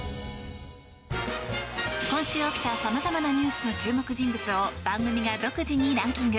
今週起きたさまざまなニュースの注目人物を番組が独自にランキング。